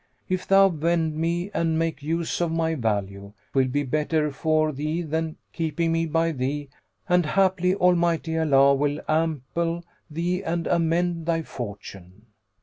If thou vend me and make use of my value, 'twill be better for thee than keeping me by thee, and haply Almighty Allah will ample thee and amend thy fortune."